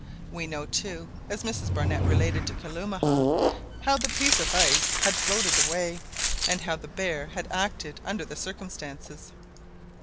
We know too—as Mrs Barnett related to Kalumah— how the piece of ice had floated away, and how the bear had acted under the circumstances.